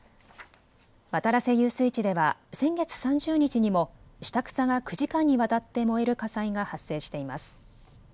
渡良瀬遊水地では先月３０日にも下草が９時間にわたって燃える火災が発生しています。